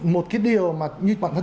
một cái điều mà như bản thân